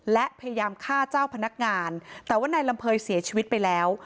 และพยายามฆ่าเจ้าพนักงานแต่ว่านายลำเภยเสียชีวิตไปแล้ว